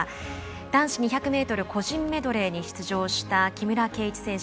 男子２００ｍ個人メドレーに出場した木村敬一選手